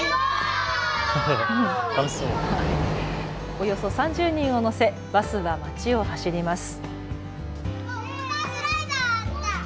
およそ３０人を乗せバスは町を走ります。